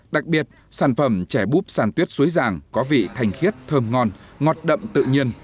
đặc biệt sản phẩm trẻ búp sàn tuyết suối giàng có vị thành khiết thơm ngon ngọt đậm tự nhiên